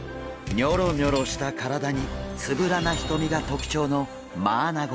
ニョロニョロした体につぶらな瞳が特徴のマアナゴ。